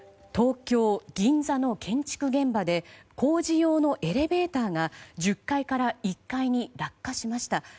東京・銀座の建築現場で工事用のエレベーターが１０階から１階に落下しました。